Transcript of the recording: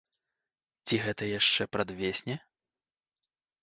Ці гэта яшчэ прадвесне?